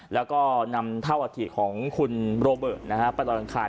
แล้วก็นำเท่าอาถิของคุณโรเบิร์ตไปลอยอังคาร